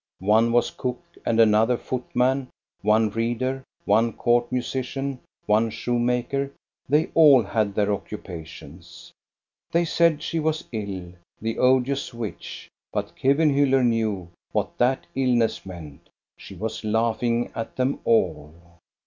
One was cook and another footman; one reader, one 424 THE STORY OF GO ST A BERUNG court musician, one shoemaker; they all had their occupations. They said she was ill, the odious witch; but Kevenhiiller knew what that illness meant. She was laughing at them all.